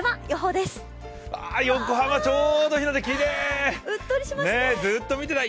あ、横浜ちょうど日の出、きれい！